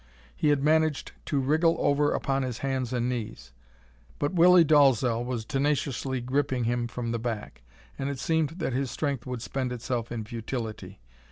He had managed to wriggle over upon his hands and knees. But Willie Dalzel was tenaciously gripping him from the back, and it seemed that his strength would spend itself in futility.